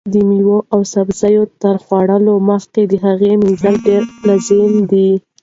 د مېوې او سبزیو تر خوړلو مخکې د هغو مینځل ډېر لازمي دي.